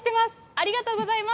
ありがとうございます。